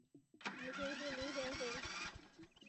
母亲是林贤妃。